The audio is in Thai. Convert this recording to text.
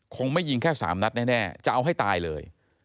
คงไม่ยิงแค่๓นัดแน่จะเอาให้ตายเลย